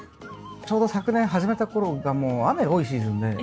ちょうど昨年始めた頃がもう雨が多いシーズンで。